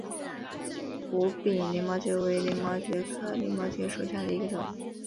无柄鳞毛蕨为鳞毛蕨科鳞毛蕨属下的一个种。